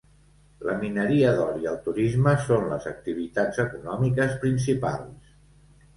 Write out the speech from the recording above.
La mineria d'or i el turisme són les activitats econòmiques principals.